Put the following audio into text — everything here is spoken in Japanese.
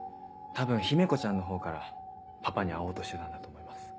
多分姫子ちゃんのほうからパパに会おうとしてたんだと思います。